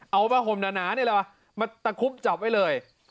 เอาผ้าห่มหนานี่แหละมาตะคุบจับไว้เลย